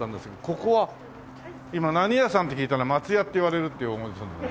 ここは今何屋さん？って聞いたら松屋って言われるって思ってたんですよ。